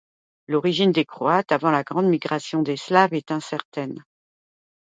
L'origine des Croates avant la grande migration des Slaves est incertaine.